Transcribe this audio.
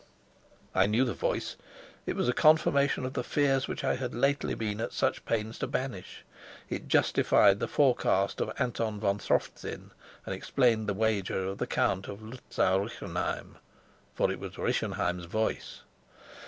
I knew the voice; it was a confirmation of the fears which I had lately been at such pains to banish. It justified the forecast of Anton von Strofzin, and explained the wager of the Count of Luzau Rischenheim for it was Rischenheim's voice.